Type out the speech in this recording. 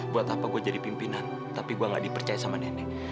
buat apa gue jadi pimpinan tapi gue gak dipercaya sama nenek